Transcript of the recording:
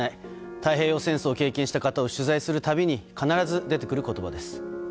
太平洋戦争を経験した方を取材する度に必ず出てくる言葉です。